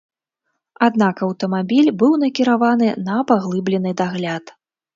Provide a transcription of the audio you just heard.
Аднак аўтамабіль быў накіраваны на паглыблены дагляд.